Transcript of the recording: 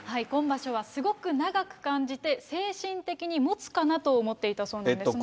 今場所はすごく長く感じて、精神的にもつかなと思っていたそうなんです。